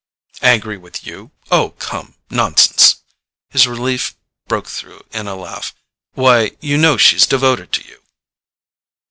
"Angry with you? Oh, come, nonsense——" his relief broke through in a laugh. "Why, you know she's devoted to you."